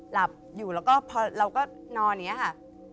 หลับอยู่แล้วก็พอเราก็นอนอย่างนี้ค่ะ